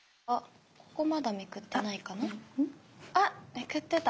めくってた。